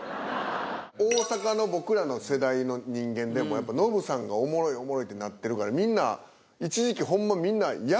大阪の僕らの世代の人間でもやっぱノブさんがおもろいおもろいってなってるからみんな。とか。